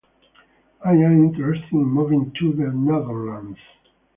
I am interested in moving to the Netherlands.